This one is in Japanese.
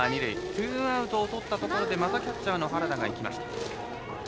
ツーアウトとったところでまたキャッチャーの原田が行きました。